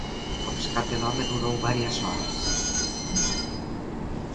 O rescate do home durou varias horas